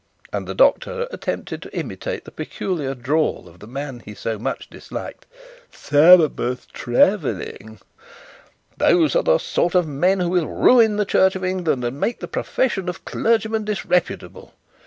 "' and the doctor attempted to imitate the peculiar drawl of the man he so much disliked: '"Sabbath travelling!" Those are the sort of men who will ruin the Church of England, and make the profession of clergyman disreputable.